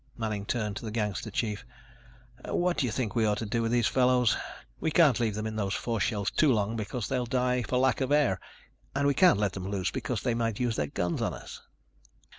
Manning turned to the gangster chief. "What do you think we ought to do with these fellows? We can't leave them in those force shells too long because they'll die for lack of air. And we can't let them loose because they might use their guns on us."